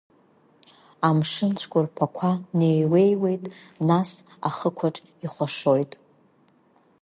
Амшын цәқәырԥақәа неиҩеиуеит, нас ахықәаҿ ихәашоит…